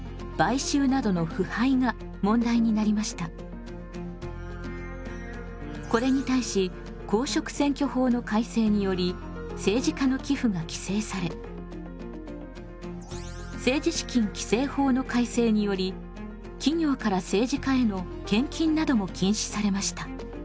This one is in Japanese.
選挙では度々これに対し公職選挙法の改正により政治家の寄付が規制され政治資金規正法の改正により企業から政治家への献金なども禁止されました。